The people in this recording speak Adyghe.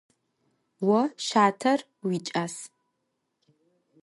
Vo şater vuiç'as.